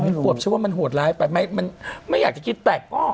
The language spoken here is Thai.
หวบชื่อว่ามันหวดล้ายไปไม่อยากจะคิดแปลก